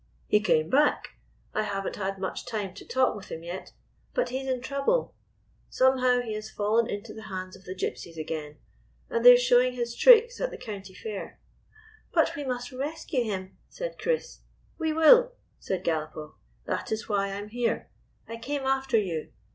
" He came back. I have n't had much time to talk with him yet, but he is in trouble. Some how he has fallen into the hands of the Gypsies again, and they are showing his tricks at the County Fair." " But we must rescue him," said Chris. "We will," said Galopoff. "That is why I am here. I came after you.